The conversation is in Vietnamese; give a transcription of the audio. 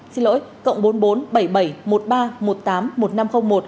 xin lỗi cộng bốn nghìn bốn trăm bảy mươi bảy một mươi ba một mươi tám một nghìn năm trăm linh một